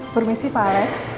permisi pak alex